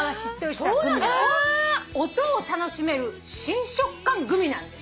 音を楽しめる新食感グミなんです。